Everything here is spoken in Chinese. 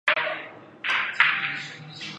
洋玉叶金花为茜草科玉叶金花属下的一个种。